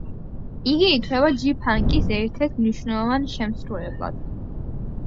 იგი ითვლება ჯი ფანკის ერთ-ერთ მნიშვნელოვან შემსრულებლად.